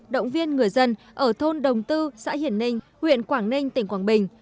động viên người dân ở thôn đồng tư xã hiển ninh huyện quảng ninh tỉnh quảng bình